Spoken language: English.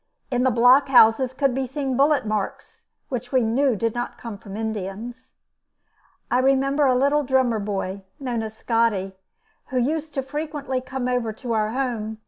In the blockhouses could be seen bullet marks which we knew did not come from Indians. I remember a little drummer boy, known as Scotty, who used frequently to come over to our home.